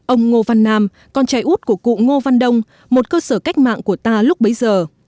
ông ngô văn nam con trai út của cụ ngô văn đông một cơ sở cách mạng của ta lúc bấy giờ